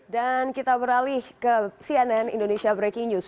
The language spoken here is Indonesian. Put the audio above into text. dan kita beralih ke cnn indonesia breaking news